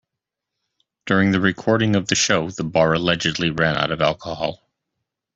During the recording of the show, the bar allegedly ran out of alcohol.